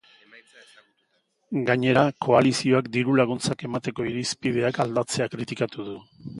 Gainera, koalizioak diru-laguntzak emateko irizpideak aldatzea kritikatu du.